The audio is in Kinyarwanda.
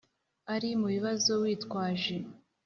ari mu bibazo witwaje